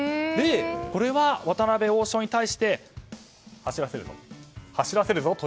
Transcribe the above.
これは、渡辺王将に対して走らせるぞ？